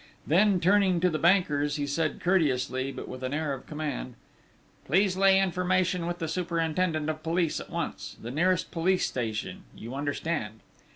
Then, turning to the bankers, he said courteously but with an air of command: "Please lay information with the superintendent of police at once ... the nearest police station, you understand!"